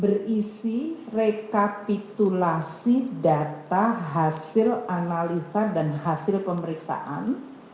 berisi rekapitulasi data hasil analisa dan hasil pemeriksaan